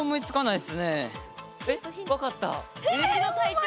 え分かった。